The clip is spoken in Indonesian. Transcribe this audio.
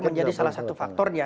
menjadi salah satu faktornya